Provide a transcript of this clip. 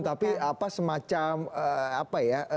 tapi semacam apa ya